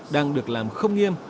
đang được làm không nghiêm